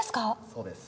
そうです。